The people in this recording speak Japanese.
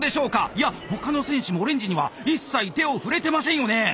いや他の選手もオレンジには一切手を触れてませんよね。